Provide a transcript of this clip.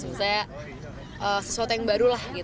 maksudnya sesuatu yang baru lah